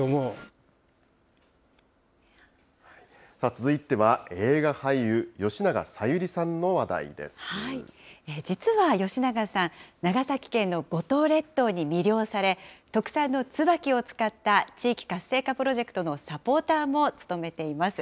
続いては映画俳優、実は吉永さん、長崎県の五島列島に魅了され、特産のツバキを使った地域活性化プロジェクトのサポーターも務めています。